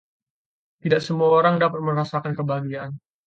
Tidak semua orang dapat merasakan kebahagiaan.